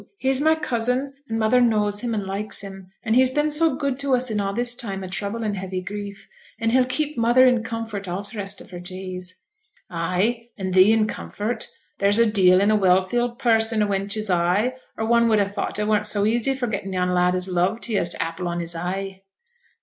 He's my cousin, and mother knows him, and likes him; and he's been so good to us in a' this time o' trouble and heavy grief, and he'll keep mother in comfort all t' rest of her days.' 'Ay, and thee in comfort. There's a deal in a well filled purse in a wench's eyes, or one would ha' thought it weren't so easy forgettin' yon lad as loved thee as t' apple on his eye.'